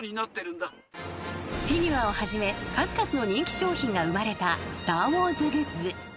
［フィギュアをはじめ数々の人気商品が生まれた『スター・ウォーズ』グッズ］